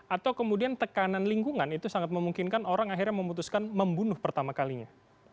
atau kemudian tekanan lingkungan itu sangat memungkinkan orang akhirnya memutuskan membunuh pertama kalinya